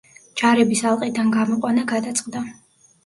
ჯარების ალყიდან გამოყვანა გადაწყდა.